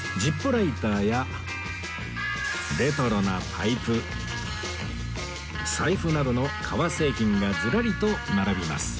ライターやレトロなパイプ財布などの革製品がずらりと並びます